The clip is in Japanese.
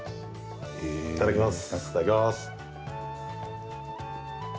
いただきます。